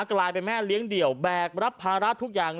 กลายเป็นแม่เลี้ยงเดี่ยวแบกรับภาระทุกอย่าง